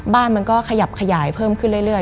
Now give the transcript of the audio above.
บ้านมันก็ขยับขยายเพิ่มขึ้นเรื่อย